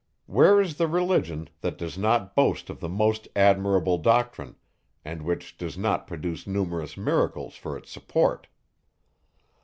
Where is the religion, that does not boast of the most admirable doctrine, and which does not produce numerous miracles for its support?